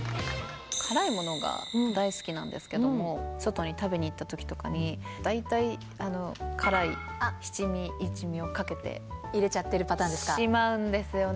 辛いものが大好きなんですけども、外に食べに行ったときとかに、大体辛い七味、入れちゃってるパターンですしまうんですよね。